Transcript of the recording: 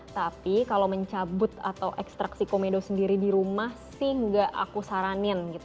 tapi kalau mencabut atau ekstraksi komedo sendiri di rumah sih nggak aku saranin gitu